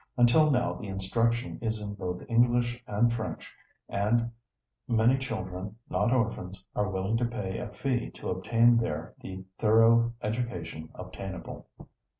Until now, the instruction is in both English and French, and many children, not orphans, are willing to pay a fee to obtain there the thorough education obtainable.